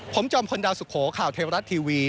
ผมจอมพลดาวสุโขข่าวเทวรัฐทีวี